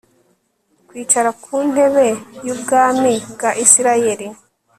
kwicara ku ntebe y ubwami bwa Isirayeli